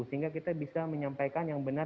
sehingga kita bisa menyampaikan yang benar